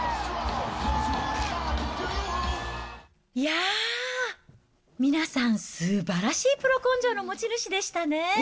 いやー、皆さん、すばらしいプロ根性の持ち主でしたね。